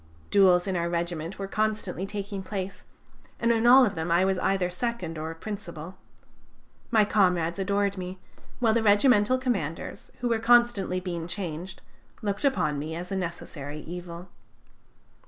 Duels in our regiment were constantly taking place, and in all of them I was either second or principal. My comrades adored me, while the regimental commanders, who were constantly being changed, looked upon me as a necessary evil.